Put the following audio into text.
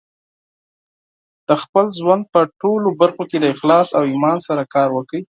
د خپل ژوند په ټولو برخو کې د اخلاص او ایمان سره کار وکړئ.